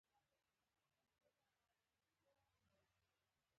نوی پیغام نوی فکر راوړي